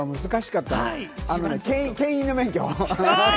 けん引の免許。